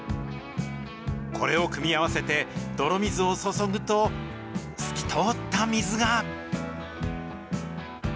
これを組み合わせて泥水を注ぐと、透き通った水が。